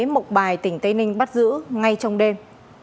mộc bài tỉnh tây ninh bắt giữ ngay trong đêm